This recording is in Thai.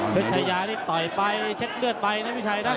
ทะชายะที่ต่อยไปเช็ดเลือดไปไม่ใช่นะ